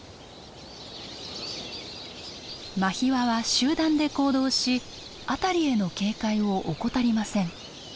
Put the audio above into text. マヒワは集団で行動し辺りへの警戒を怠りません。